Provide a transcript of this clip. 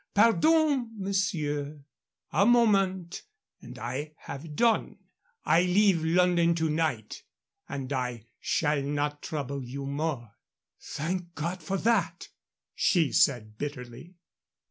"Pardon, monsieur, a moment and I have done. I leave London to night, and I shall not trouble you more." "Thank God for that!" she said, bitterly.